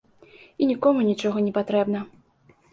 І нікому нічога не патрэбна.